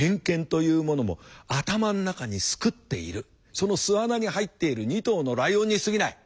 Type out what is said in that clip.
その巣穴に入っている２頭のライオンにすぎない。